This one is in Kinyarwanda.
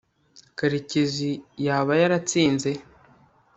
karekezi yaba yaratsinze